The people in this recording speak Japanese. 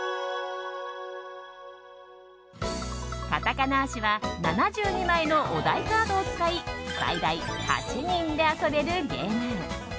カタカナーシは７２枚のお題カードを使い最大８人で遊べるゲーム。